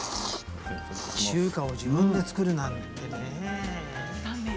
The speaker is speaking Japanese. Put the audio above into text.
中華を自分で作るなんてね。